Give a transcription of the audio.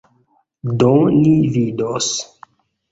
Do ni vidos.